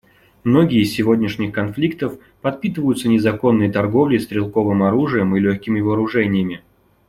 Многие из сегодняшних конфликтов подпитываются незаконной торговлей стрелковым оружием и легкими вооружениями.